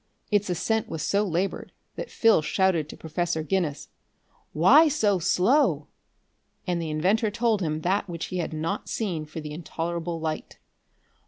Its ascent was so labored that Phil shouted to Professor Guinness: "Why so slow?" And the inventor told him that which he had not seen for the intolerable light.